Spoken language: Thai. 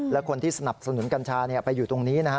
และคนที่สนับสนุนกัญชาไปอยู่ตรงนี้นะฮะ